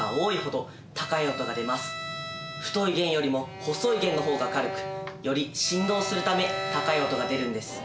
太い弦よりも細い弦の方が軽くより振動するため高い音が出るんです。